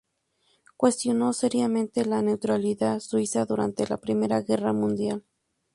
Cuestionó seriamente la neutralidad Suiza durante la Primera Guerra Mundial.